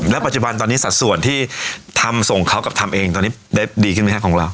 แล้วปัจจุบันตอนนี้สัดส่วนที่ทำส่งเขากับทำเองตอนนี้ได้ดีขึ้นไหมครับของเรา